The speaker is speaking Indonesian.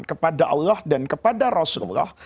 kepada allah dan kepada rasulullah